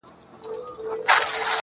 شوم لېونې د جدايۍ دې الله بيخ اوباسي